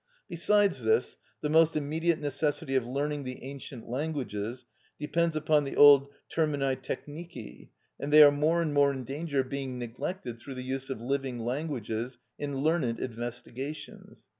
Besides this, the most immediate necessity of learning the ancient languages depends upon the old termini technici, and they are more and more in danger of being neglected through the use of living languages in learned investigations.